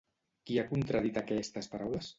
Qui ha contradit aquestes paraules?